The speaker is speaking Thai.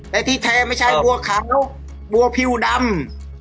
แต่ที่แท้ไม่ใช่บัวขาวลูกบัวผิวดำ